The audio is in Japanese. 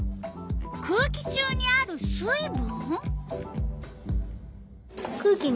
「空気中にある水分」？